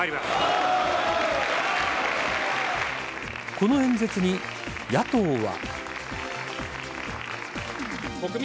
この演説に、野党は。